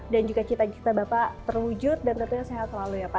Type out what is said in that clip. dan juga cita cita bapak terwujud dan tentunya sehat selalu ya pak